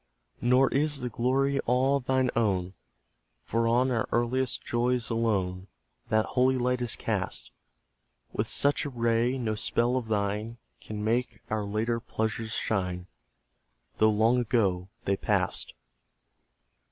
Nor is the glory all thine own, For on our earliest joys alone That holy light is cast. With such a ray, no spell of thine Can make our later pleasures shine, Though long ago they passed.